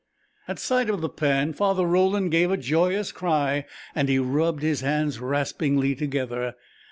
At sight of the pan Father Roland gave a joyous cry, and he rubbed his hands raspingly together.